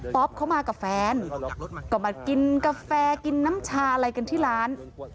เข้ามากับแฟนก็มากินกาแฟกินน้ำชาอะไรกันที่ร้าน